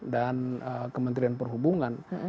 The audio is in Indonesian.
dan kementerian perhubungan